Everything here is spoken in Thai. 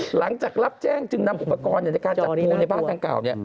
หลังจากรับแจ้งจึงนำอุปกรณ์ในการจับงูในบ้านดังกล่าว